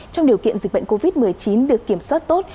trong điều kiện dịch bệnh covid một mươi chín được kiểm soát tốt